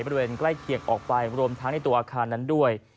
บริเวณใกล้เคียงออกไปรวมทั้งในตัวอาคารนั้นด้วย